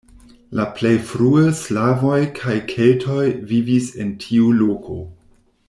La plej frue slavoj kaj keltoj vivis en tiu loko.